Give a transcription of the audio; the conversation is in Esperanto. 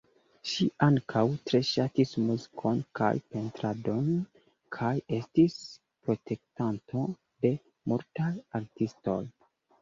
Ŝi ankaŭ tre ŝatis muzikon kaj pentradon kaj estis protektanto de multaj artistoj.